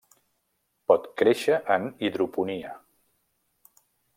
Pot créixer en hidroponia.